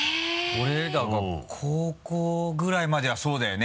俺らが高校ぐらいまではそうだよね？